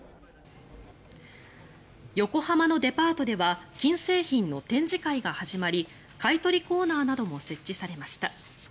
横浜のデパートでは金製品の展示会が始まり買い取りコーナーなども設置されました。